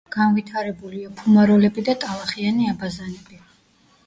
განვითარებულია ფუმაროლები და ტალახიანი აბაზანები.